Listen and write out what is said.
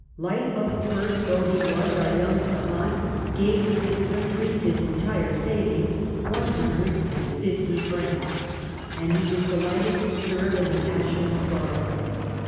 Light of purse though he was, our young savant gave to his country his entire savings, one hundred and fifty francs, and he was delighted to serve in the national guard.